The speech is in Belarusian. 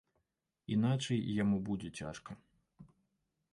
Іначай яму будзе цяжка.